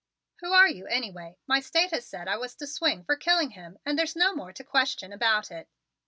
"Who are you anyway? My State has said I was to swing for killing him and there's no more to question about it."